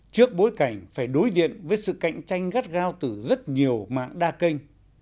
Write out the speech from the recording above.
trước bối cảnh phải đối diện với sự cạnh tranh gắt gao từ rất nhiều mạng đa kênh